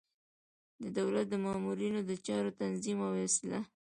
د دولت د مامورینو د چارو تنظیم او اصلاح.